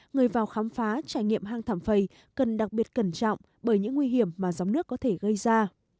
người vào khám phá trải nghiệm hang thảm phầy cần đặc biệt cẩn trọng bởi những nguy hiểm mà gióng nước có thể gây ra